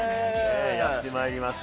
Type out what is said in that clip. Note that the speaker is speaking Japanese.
やってまいりました。